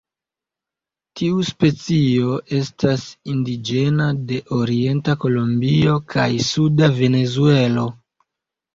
Tiu specio estas indiĝena de orienta Kolombio kaj suda Venezuelo.